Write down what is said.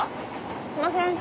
すいません。